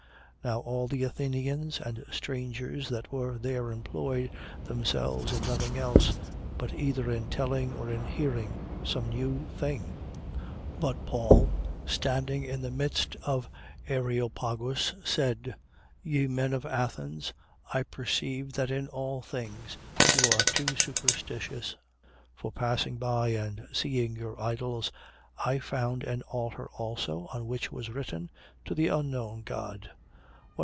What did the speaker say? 17:21. (Now all the Athenians and strangers that were there employed themselves in nothing else, but either in telling or in hearing some new thing.) 17:22. But Paul, standing in the midst of the Areopagus, said: Ye men of Athens, I perceive that in all things you are too superstitious. 17:23. For passing by and seeing your idols, I found an altar also, on which was written: To the Unknown God.